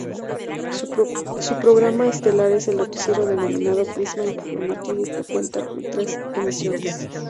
Su programa estelar es el noticiero denominado Prisma Informativo que cuenta con tres emisiones.